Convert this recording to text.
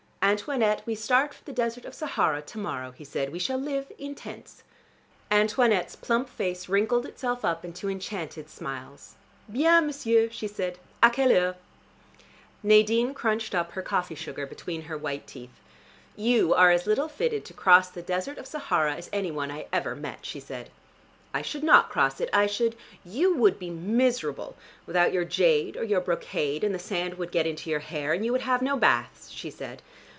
"Antoinette, we start for the desert of Sahara to morrow," he said. "We shall live in tents." Antoinette's plump face wrinkled itself up into enchanted smiles. "Bien, m'sieur," she said. "A quelle heure?" Nadine crunched up her coffee sugar between her white teeth. "You are as little fitted to cross the desert of Sahara as any one I ever met," she said. "I should not cross it: I should " "You would be miserable without your jade or your brocade and the sand would get into your hair, and you would have no bath," she said.